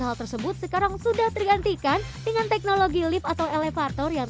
hal tersebut sekarang sudah tergantikan dengan teknologi lift atau elevator yang